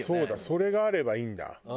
それがあればいいんだ。